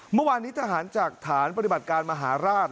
เมื่อวานนี้ทหารจากฐานปฏิบัติการมหาราช